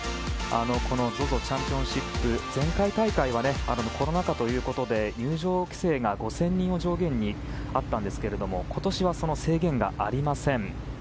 このＺＯＺＯチャンピオンシップ前回大会はコロナ禍ということで入場規制が５０００人を上限にありましたが今年はその制限がありません。